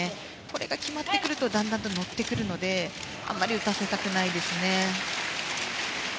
これが決まってくるとだんだんと乗ってくるのであまり打たせたくないですね。